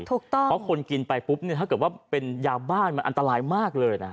เพราะคนกินไปปุ๊บเนี่ยถ้าเกิดว่าเป็นยาบ้านมันอันตรายมากเลยนะ